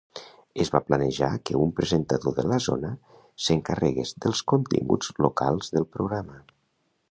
Es va planejar que un presentador de la zona s'encarregués dels continguts locals del programa.